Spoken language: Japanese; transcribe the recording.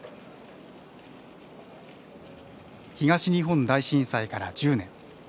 東日本大震災から１０年。